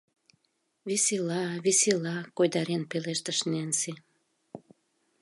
— Весела, весела, койдарен пелештыш Ненси.